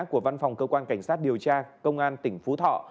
của văn phòng cơ quan cảnh sát điều tra công an tỉnh phú thọ